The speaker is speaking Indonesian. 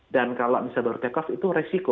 dan kalau bisa ber take off itu resiko